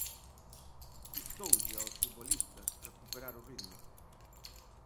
Custoulle aos futbolistas recuperar o ritmo.